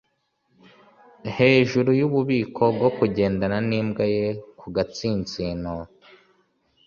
hejuru yububiko bwo kugendana nimbwa ye ku gatsinsino